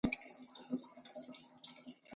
شتمن هغه دی چې د خپل مال زکات ورکوي.